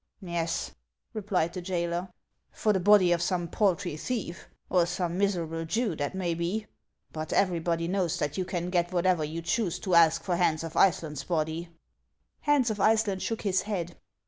" Yes," replied the jailer, " for the body of some paltry thief, or some miserable Jew, that may be ; but everybody knows that yon can get whatever you choose to ask for Hans of Iceland's body." Hans of Iceland shook his head.